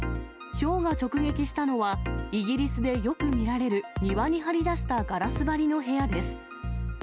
ひょうが直撃したのは、イギリスでよく見られる庭に張り出したガラス張りの部屋です。